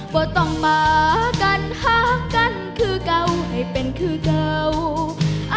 ก็ต้องมากันฮักกันคือเก่าให้เป็นคือเก่า